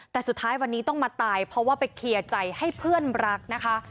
แต่สุดท้ายวันนี้ต้องมาตายเพราะว่าไปเคลียร์ใจให้เพื่อนรักนะคะ